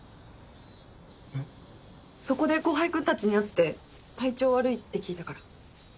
そこで後輩君たちに会って体調悪いって聞いたから。